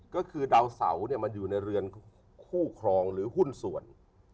ก็คือดาวเสามันอยู่ในเรือนคู่ครองหรือหุ้นส่วน